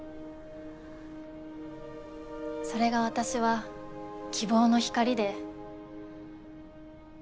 それが私は希望の光で。